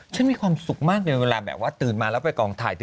มีความสุขมากในเวลาแบบว่าตื่นมาแล้วไปกองถ่าย